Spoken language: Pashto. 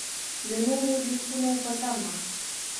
د نورو لیکنو په تمه.